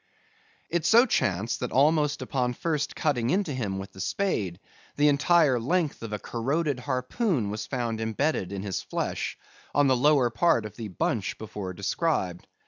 It so chanced that almost upon first cutting into him with the spade, the entire length of a corroded harpoon was found imbedded in his flesh, on the lower part of the bunch before described.